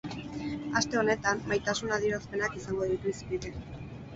Aste honetan, maitasun adierazpenak izango ditu hizpide.